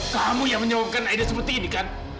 kamu yang menyebabkan aida seperti ini kan